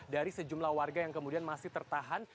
dari sejumlah warga yang kemudian masih tertahan